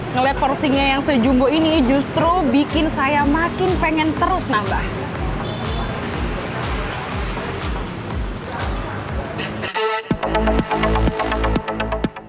ngelihat porsinya yang sejumbo ini justru bikin saya makin pengen terus nambah